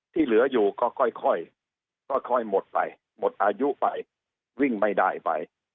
ที่เหลืออยู่ก็ค่อยหมดไปหมดอายุไปวิ่งไม่ได้ไป